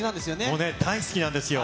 もうね、大好きなんですよ。